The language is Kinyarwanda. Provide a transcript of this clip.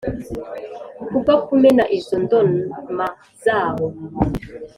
Kubwo kumena izo ndoma zabo